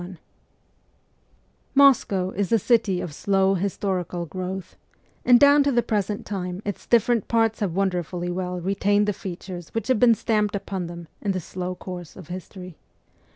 B Moscow is a city of slow historical growth, and down to the present time its different parts have wonderfully well retained the features which have been stamped upon them in the slow course of history.